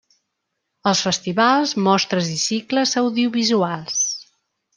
Els festivals, mostres i cicles audiovisuals.